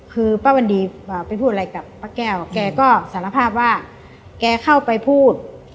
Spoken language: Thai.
คือป้าวันดีไปพูดอะไรกับป้าแก้วแกก็สารภาพว่าแกเข้าไปพูด